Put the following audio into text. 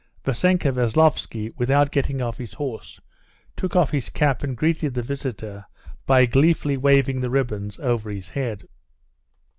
Vassenka Veslovsky, without getting off his horse, took off his cap and greeted the visitor by gleefully waving the ribbons over his head.